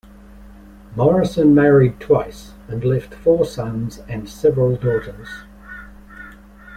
Morison married twice, and left four sons and several daughters.